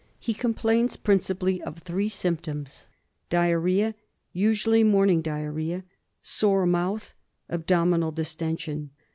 He complains principally of three symptoms : Diarrhoea, usually morning diarrhoea ; Sore mouth ; Abdominal distension.